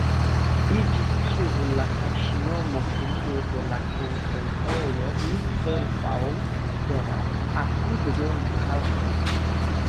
Iĝis sub la kaŝnomo filio de la koncentrejo Mittelbau-Dora apud Nordhausen.